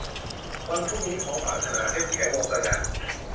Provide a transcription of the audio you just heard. วันพรุ่งนี้ของปรารถนา - เพ็ญแข วงศ์สง่า